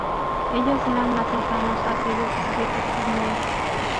Ellos eran más cercanos a aquellos descritos por Mead.